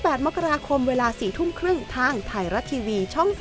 โปรดติดตามตอนต่อไป